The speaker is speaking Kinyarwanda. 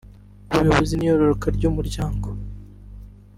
ubuyobozi n’iyororoka ry’imiryango